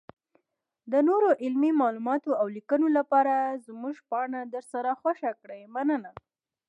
-دنورو علمي معلوماتو اولیکنو لپاره زمونږ پاڼه درسره خوښه کړئ مننه.